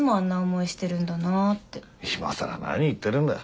いまさら何言ってるんだ。